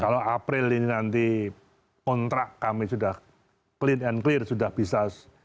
kalau april ini nanti kontrak kami sudah clean and clear sudah bisa